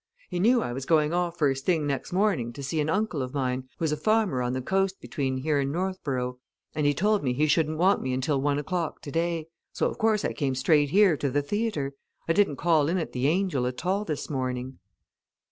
He knew I was going off first thing next morning to see an uncle of mine who's a farmer on the coast between here and Northborough, and he told me he shouldn't want me until one o'clock today. So of course, I came straight here to the theatre I didn't call in at the 'Angel' at all this morning."